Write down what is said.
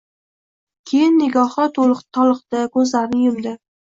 Keyin nigohi toliqdi, ko‘zlarini yumdi.